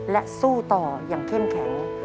และสู้ต่ออย่างเข้มแข็ง